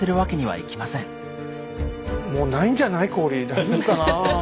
大丈夫かなあ。